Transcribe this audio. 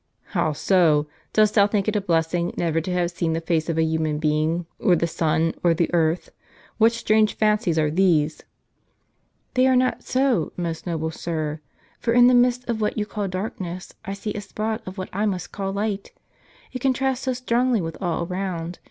"How so? dost thou think it a blessing never to have seen the face of a human being, or the sun, or the earth ? What strange fancies are these ?" "They are not so, most noble sir. For in the midst of what you call darkness, I see a spot of what I must call light, it contrasts so strongly with all around.